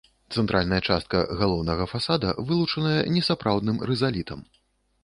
Цэнтральная частка галоўнага фасада вылучаная несапраўдным рызалітам.